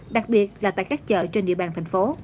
đặc biệt là tại các chợ trên địa bàn thành phố